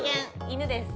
犬です。